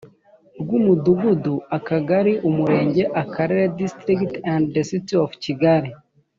rw umudugudu akagari umurenge akarere district and the city of kigali